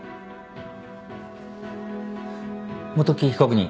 元木被告人。